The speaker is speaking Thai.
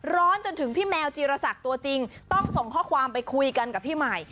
จนถึงพี่แมวจีรศักดิ์ตัวจริงต้องส่งข้อความไปคุยกันกับพี่ใหม่